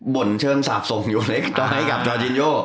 บ่นเชิญสาปทรงอยู่ในตอนนี้กับจอร์จินโย